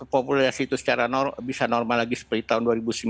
populasi itu secara bisa normal lagi seperti tahun dua ribu dua puluh dua